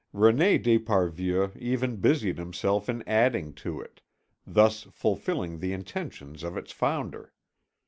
René d'Esparvieu even busied himself in adding to it, thus fulfilling the intentions of its founder.